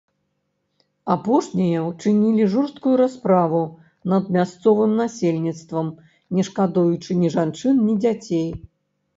Апошнія ўчынілі жорсткую расправу над мясцовым насельніцтвам, не шкадуючы ні жанчын, ні дзяцей.